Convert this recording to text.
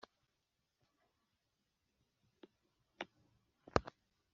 icyo kifuzo kuko uretse ko n u Bufaransa bwari bwarijanditse